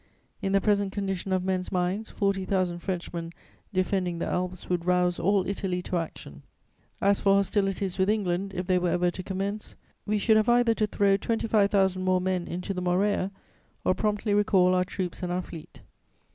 In the present condition of men's minds, forty thousand Frenchmen defending the Alps would rouse all Italy to action. "As for hostilities with England, if they were ever to commence, we should have either to throw twenty five thousand more men into the Morea, or promptly recall our troops and our fleet.